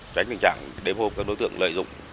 tránh tình trạng đếm hôm các đối tượng lợi dụng